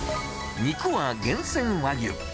肉は厳選和牛。